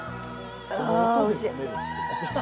あおいしい！